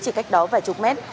chỉ cách đó vài chục mét